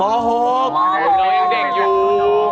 โอ้โหน้องยังเด็กอยู่